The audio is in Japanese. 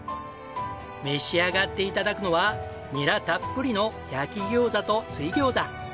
召し上がって頂くのはニラたっぷりの焼き餃子と水餃子。